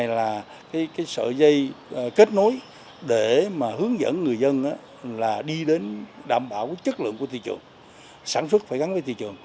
là đi đến đảm bảo chất lượng của thị trường sản xuất phải gắn với thị trường